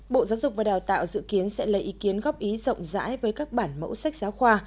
bộ giáo dục và đào tạo dự kiến sẽ lấy ý kiến góp ý rộng rãi với các bản mẫu sách giáo khoa